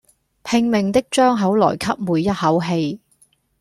拼命的張口來吸每一口氣